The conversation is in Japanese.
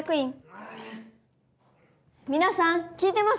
あっ皆さん聞いてます？